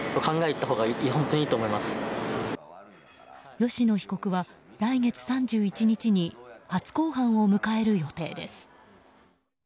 吉野被告は来月３１日に初公判を迎える予定です。